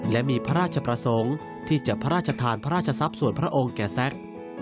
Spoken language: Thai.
และมีพระราชประสงค์ที่จะพระราชทานพระราชทรัพย์ส่วนพระองค์แก่แซค